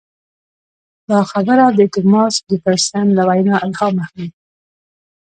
دا خبره د توماس جفرسن له وینا الهام اخلي.